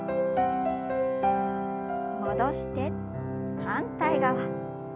戻して反対側。